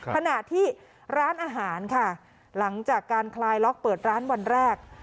ขณะที่ร้านอาหารค่ะหลังจากการคลายล็อกเปิดร้านวันแรก